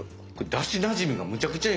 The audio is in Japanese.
だしなじみがむちゃくちゃいいですね。